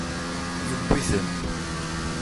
Yewwi-ten.